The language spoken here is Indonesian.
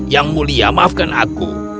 yang mulia maafkan aku